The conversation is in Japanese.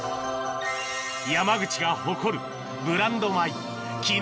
山口が誇るブランド米